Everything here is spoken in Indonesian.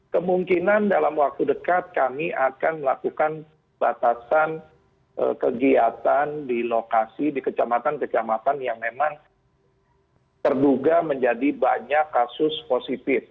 kemungkinan dalam waktu dekat kami akan melakukan batasan kegiatan di lokasi di kecamatan kecamatan yang memang terduga menjadi banyak kasus positif